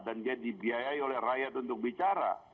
dan dia dibiayai oleh rakyat untuk bicara